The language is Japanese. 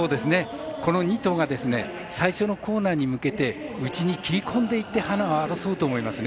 この２頭が最初のコーナーに向けて内に切り込んでいって争うと思いますね。